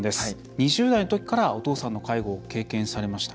２０代のときからお父さんの介護を経験されました。